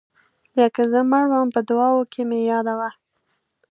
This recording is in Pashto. بیا که زه مړ وم په دعاوو کې مې یادوه.